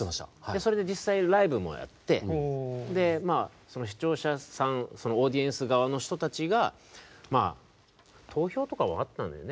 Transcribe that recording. それで実際ライブもやって視聴者さんオーディエンス側の人たちが投票とかもあったんだよね？